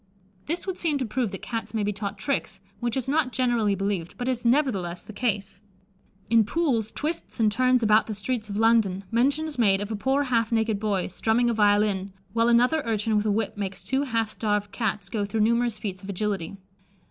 This would seem to prove that Cats may be taught tricks, which is not generally believed, but is nevertheless the case. In Pool's Twists and Turns about the Streets of London, mention is made of "a poor half naked boy, strumming a violin, while another urchin with a whip makes two half starved Cats go through numerous feats of agility."